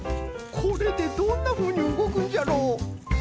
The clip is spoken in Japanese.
これでどんなふうにうごくんじゃろう？